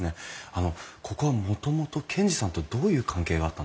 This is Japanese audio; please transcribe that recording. あのここはもともと賢治さんとどういう関係があったんですか？